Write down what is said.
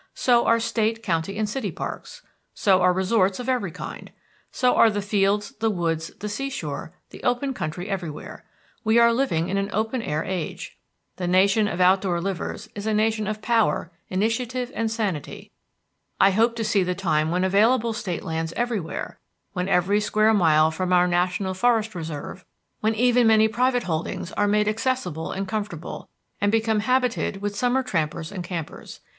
So are state, county and city parks. So are resorts of every kind. So are the fields, the woods, the seashore, the open country everywhere. We are living in an open air age. The nation of outdoor livers is a nation of power, initiative, and sanity. I hope to see the time when available State lands everywhere, when every square mile from our national forest reserve, when even many private holdings are made accessible and comfortable, and become habited with summer trampers and campers.